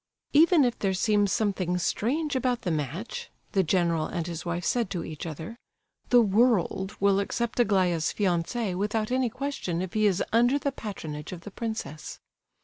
Even if there seems something strange about the match, the general and his wife said to each other, the "world" will accept Aglaya's fiance without any question if he is under the patronage of the princess.